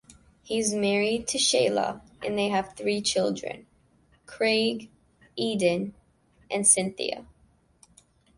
He is married to Shelagh and they have three children: Craig, Eden and Cynthia.